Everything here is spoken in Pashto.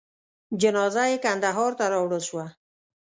جنازه یې کندهار ته راوړل شوه.